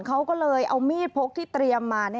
เขาก็เลยเอามีดพกที่เตรียมมา